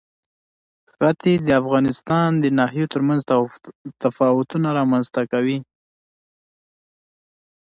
ښتې د افغانستان د ناحیو ترمنځ تفاوتونه رامنځ ته کوي.